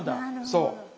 そう。